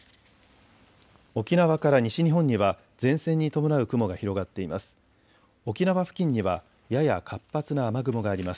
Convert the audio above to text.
沖縄から西日本には前線に伴う雲が広がっています。